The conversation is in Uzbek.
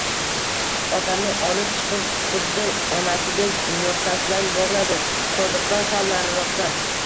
Otlarni olib chiqib, xuddi onasidek no`xtasidan bog`laydi, qoziqdan sal nariroqda